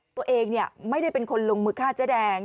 ตัวเองไม่ได้เป็นคนลงมือฆ่าเจ๊แดง